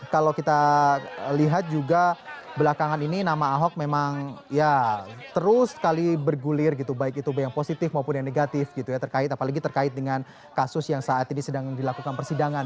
kalau kita lihat juga belakangan ini nama ahok memang ya terus sekali bergulir gitu baik itu yang positif maupun yang negatif gitu ya terkait apalagi terkait dengan kasus yang saat ini sedang dilakukan persidangan